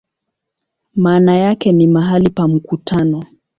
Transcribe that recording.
Maana yake ni "mahali pa mkutano".